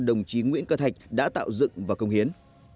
đồng chí nguyễn cơ thạch đã tạo dựng và công hiến